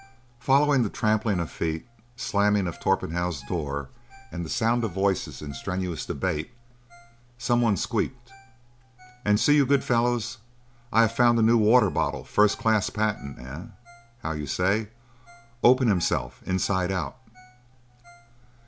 Following the trampling of feet, slamming of Torpenhow's door, and the sound of voices in strenuous debate, some one squeaked, "And see, you good fellows, I have found a new water bottle—firs' class patent—eh, how you say? Open himself inside out."